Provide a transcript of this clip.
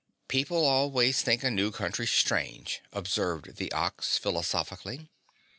"People always think a new country strange!" observed the Ox philosophically.